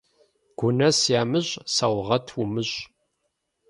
Гунэс ямыщӀ саугъэт умыщӀ.